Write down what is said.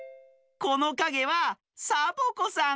このかげはサボ子さん。